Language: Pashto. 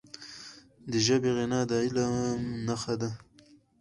د ژبي غنا د علم نښه ده.